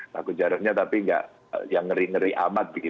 takut jarumnya tapi nggak yang ngeri ngeri amat begitu ya